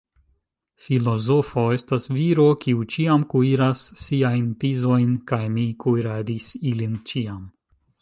Filozofo estas viro, kiu ĉiam kuiras siajn pizojn, kaj mi kuiradis ilin ĉiam.